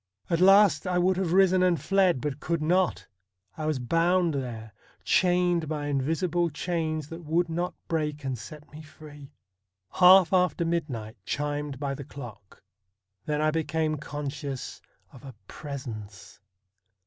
At last I would have risen and fled, but could not. I was bound there — chained by invisible chains that would not break and set me free. Half after midnight chimed by the clock. Then I became conscious of a presence.